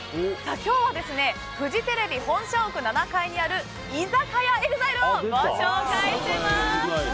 今日はフジテレビ本社屋７階にある居酒屋えぐざいるをご紹介します。